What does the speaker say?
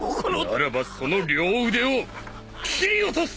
ならばその両腕を斬り落とす！